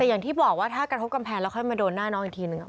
แต่อย่างที่บอกว่าถ้ากระทบกำแพงแล้วค่อยมาโดนหน้าน้องอีกทีนึง